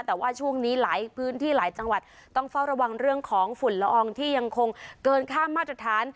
แต่ว่าช่วงนี้หลายพื้นที่หลายจังหวัดต้องเฝ้าระวังเรื่องของฝุ่นละอองที่ยังคงเกินข้ามมาตรฐาน